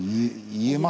言えます。